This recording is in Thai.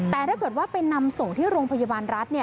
แต่ถ้าเกิดว่าไปนำส่งที่โรงพยาบาลรัฐ